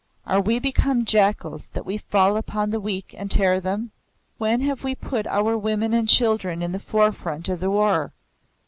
Are we become jackals that we fall upon the weak and tear them? When have we put our women and children in the forefront of the war?